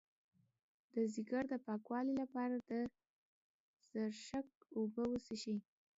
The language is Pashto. د ځیګر د پاکوالي لپاره د زرشک اوبه وڅښئ